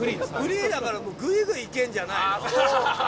フリーだからぐいぐいいけんじゃないの？